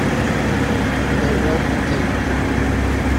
They will continue.